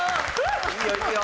いいよいいよ！